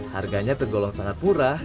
harganya tergolong sangat murah